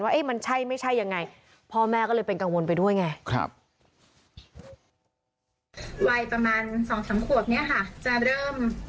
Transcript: ว่าเอ๊ะมันใช่ไม่ใช่ยังไงพอแม่ก็เลยเป็นกังวลไปด้วยไง